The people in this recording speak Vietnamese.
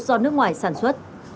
do nước ngoài sản xuất